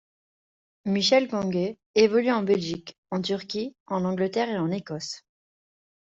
Michel Ngonge évolue en Belgique, en Turquie, en Angleterre et en Écosse.